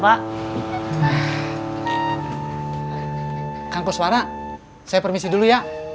pak kang koswara saya permisi dulu ya